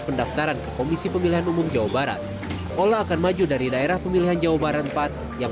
pendaftaran ke komisi pemilihan umum jawa barat pola akan maju dari daerah pemilihan jawa barat empat yang